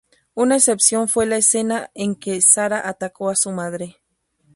Una excepción fue la escena en que Sara atacó a su madre.